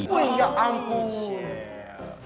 woy ya ampun